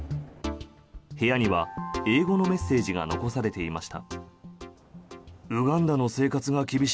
部屋には英語のメッセージが残されていました。